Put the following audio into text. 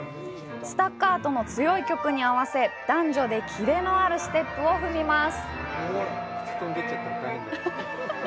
スタッカートの強い曲に合わせ、男女でキレのあるステップを踏みます。